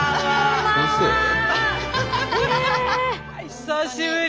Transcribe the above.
久しぶり！